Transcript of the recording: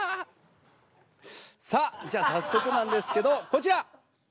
さあじゃあ早速なんですけどこちら。